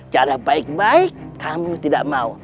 cara baik baik kamu tidak mau